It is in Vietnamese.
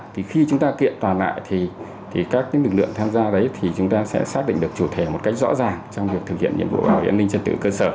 thì khi chúng ta kiện toàn lại thì các lực lượng tham gia đấy thì chúng ta sẽ xác định được chủ thể một cách rõ ràng trong việc thực hiện nhiệm vụ bảo vệ an ninh trật tự ở cơ sở